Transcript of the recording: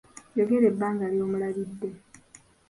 Yogera ebbanga ly'omulabidde.